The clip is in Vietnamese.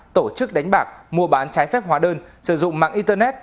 tổ chức đánh bạc mua bán trái phép hóa đơn sử dụng mạng internet